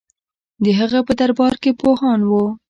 د هغه په دربار کې پوهان وو